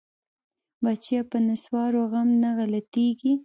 بچيه په نسوارو غم نه غلطيګي.